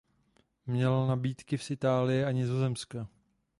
Měl nabídky z Itálie a Nizozemska.